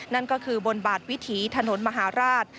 นั่นก็คือบนบาดวิถีถนนมหาราช